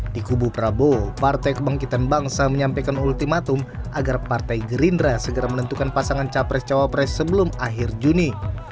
di kubu prabowo partai kebangkitan bangsa menyampaikan ultimatum agar partai gerindra segera menentukan pasangan capres cawapres sebelum akhir juni